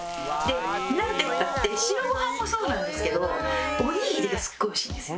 なんていったって白ご飯もそうなんですけどおにぎりがすごい美味しいんですよ。